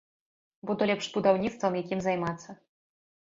Буду лепш будаўніцтвам якім займацца!